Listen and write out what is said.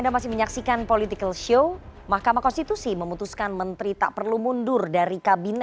dan semoga kembali kembali ke tempat yang harus